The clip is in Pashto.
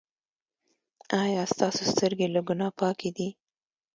ایا ستاسو سترګې له ګناه پاکې دي؟